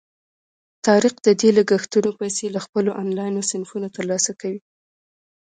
طارق د دې لګښتونو پیسې له خپلو آنلاین صنفونو ترلاسه کوي.